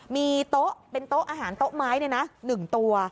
มีโต๊ะเป็นโต๊ะอาหารโต๊ะไม้๑ตัว